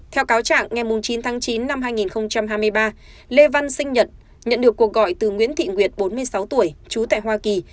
theo cáo trạng ngày chín tháng chín năm hai nghìn hai mươi ba lê văn sinh nhật nhận được cuộc gọi từ nguyễn thị nguyệt bốn mươi sáu tuổi trú tại hoa kỳ